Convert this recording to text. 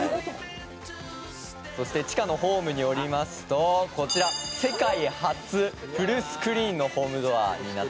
「そして地下のホームに下りますとこちら世界初フルスクリーンのホームドアになっております」